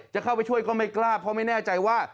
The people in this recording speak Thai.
แล้วก็ไม่กล้าไม่แน่ใจว่า